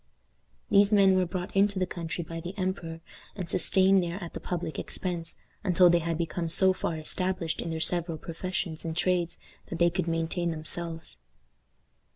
These men were brought into the country by the emperor, and sustained there at the public expense, until they had become so far established in their several professions and trades that they could maintain themselves.